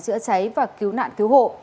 chữa cháy và cứu nạn cứu hộ